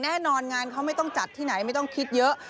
แน่นอนงานเขาไม่ต้องจัดที่ไหนไม่ต้องคิดเยอะ